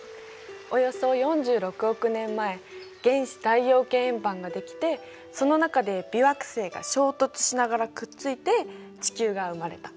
およそ４６億年前原始太陽系円盤ができてその中で微惑星が衝突しながらくっついて地球が生まれた。